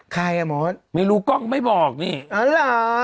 ใครอ่ะหมอไม่รู้กล้องไม่บอกนี่อ๋อเหรอ